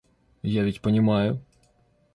Я ведь понимаю.